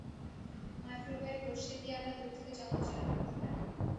Microwave রশ্মি দিয়ে আমরা দূর থেকে যন্ত্র চালু করতে পারি।